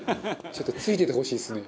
「ちょっと付いててほしいですね」